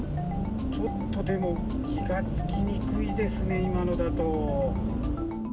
ちょっとでも、気が付きにくいですね、今のだと。